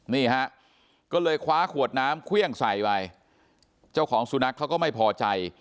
นี่ฮะก็เลยคว้าขวดน้ำเครื่องใส่ไปเจ้าของสุนัขเขาก็ไม่พอใจ